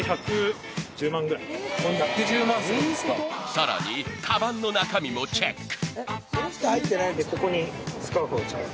［さらにかばんの中身もチェック］